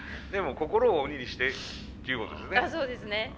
でも心を鬼にしてっていうことですね。